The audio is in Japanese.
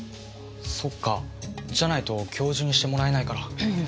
そっかじゃないと教授にしてもらえないから。